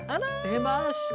出ました！